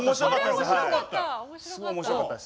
すごい面白かったです。